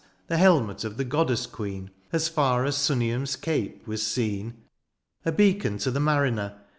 The helmet of the goddess queen. As far as Simium's cape was seen, A beacon to the mariner.